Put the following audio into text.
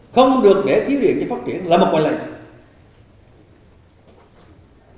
không được để thiếu điện để phát triển là một bệnh manh lệ